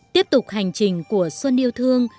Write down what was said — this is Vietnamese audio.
tiếp tục hành trình của xuân điêu thương